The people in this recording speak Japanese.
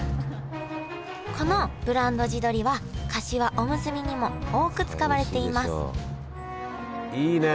このブランド地どりはかしわおむすびにも多く使われていますいいね！